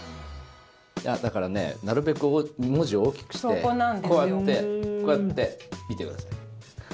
だからねなるべく文字を大きくしてこうやってこうやって見てください。